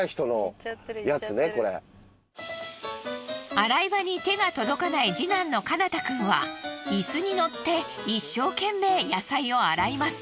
洗い場に手が届かない次男の奏太くんは椅子に乗って一生懸命野菜を洗います。